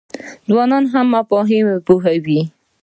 ځوانان هم په مفاهیمو پوهیږي.